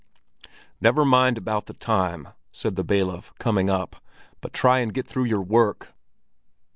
"Never mind about the time," said the bailiff, coming up. "But try and get through your work."